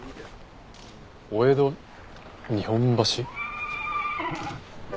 お江戸日本橋？